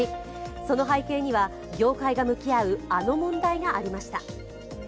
その背景には業界が向き合う、あの問題がありました。